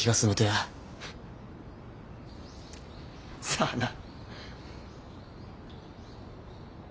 さあな。